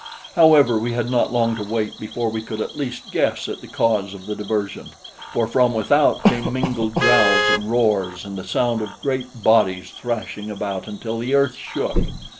However, we had not long to wait before we could at least guess at the cause of the diversion, for from without came mingled growls and roars and the sound of great bodies thrashing about until the earth shook.